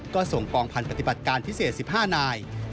ก็ส่งกองพันธุปฏิบัติการพิเศษ๑๕นาย